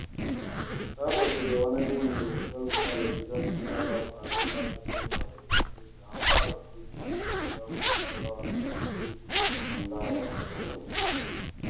The film was the directorial debut of Menno Meyjes, who also wrote the film.